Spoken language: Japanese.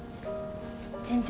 全然